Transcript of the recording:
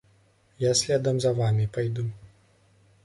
Я следам за вамі пайду.